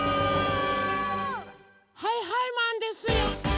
はいはいマンですよ！